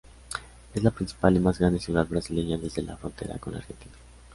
Es la principal y más grande ciudad brasileña desde la frontera con la Argentina.